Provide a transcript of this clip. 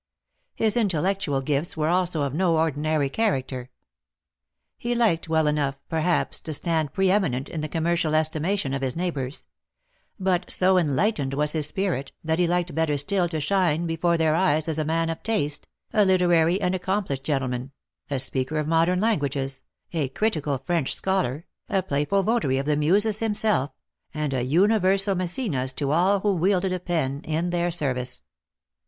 His intellectual gifts were also of no ordinary character. He liked well enough, perhaps, to stand pre eminent in the commercial estimation of his neighbours ; but so enlightened was his spirit, that he liked better still to shine be fore their eyes as a man of taste, a literary and accomplished gentle man, a speaker of modern languages, a critical French scholar, a playful votary of the muses himself, and a universal Mecsenas to all who wielded a pen in their service.